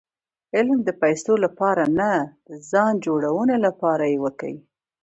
علم د پېسو له پاره نه؛ د ځان جوړوني له پاره ئې وکئ!